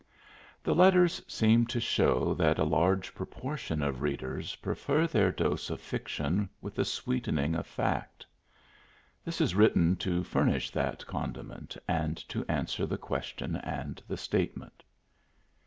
The letters seemed to show that a large proportion of readers prefer their dose of fiction with a sweetening of fact. This is written to furnish that condiment, and to answer the question and the statement.